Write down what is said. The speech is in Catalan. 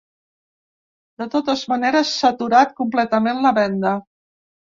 De totes maneres, s’ha aturat completament la venda.